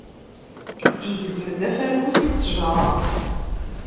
Yegzem-d afarku si ttejra.